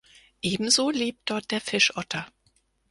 Ebenso lebt dort der Fischotter.